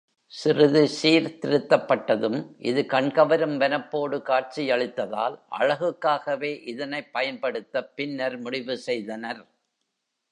சிறிது சீர்திருத்தப்பட்டதும் இது கண் கவரும் வனப்போடு காட்சியளித்ததால், அழகுக்காகவே இதைப் பயன் படுத்தப் பின்னர் முடிவு செய்தனர்.